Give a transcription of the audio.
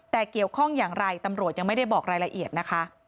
แต่เกี่ยวข้องอย่างไรตำรวจยังไม่ได้บอกรายละเอียดนะคะ